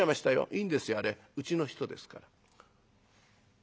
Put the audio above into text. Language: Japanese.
「いいんですよあれうちの人ですから」。